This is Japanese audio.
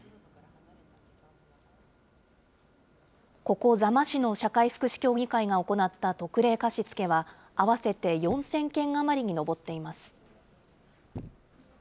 ここ座間市の社会福祉協議会が行った特例貸付は合わせて４０００件余りに上っています。